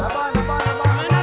cerebon kasih kasih